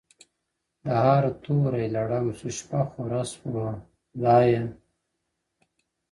د هر تورى لړم سو ‘ شپه خوره سوه خدايه’